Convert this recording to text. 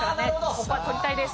ここは取りたいです。